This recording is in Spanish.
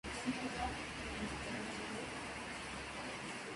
Fue enterrado en el Sharon Memorial Park en Charlotte.